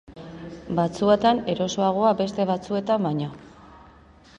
Batzuetan erosoago beste batzuetan baino.